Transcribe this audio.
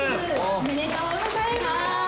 おめでとうございます。